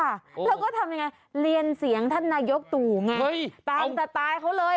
แล้วก็ทำยังไงเรียนเสียงท่านนายกตู่ไงตามสไตล์เขาเลย